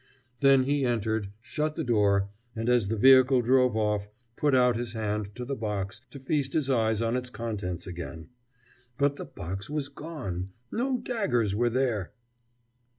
Then he entered, shut the door, and, as the vehicle drove off, put out his hand to the box to feast his eyes on its contents again. But the box was gone no daggers were there!